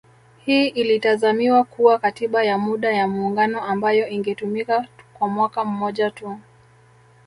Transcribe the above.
Hii ilitazamiwa kuwa katiba ya muda ya muungano ambayo ingetumika kwa mwaka mmoja tu